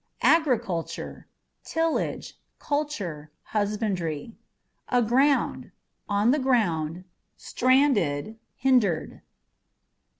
Agriculture â€" tillage, culture, husbandry. Agroundâ€" on the ground', stranded, hindered.